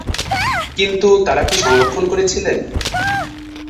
কিন্তু তারা কি সংরক্ষণ করেছিলেন?